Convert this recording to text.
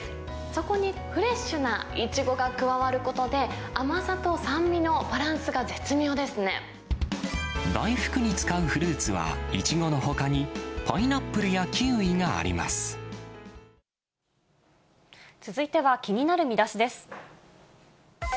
そこにフレッシュなイチゴが加わることで、甘さと酸味のバランス大福に使うフルーツはイチゴのほかに、続いては気になるミダシです。